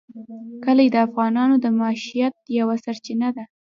کلي د افغانانو د معیشت یوه سرچینه ده.